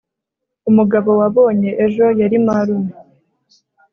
umugabo wabonye ejo yari marume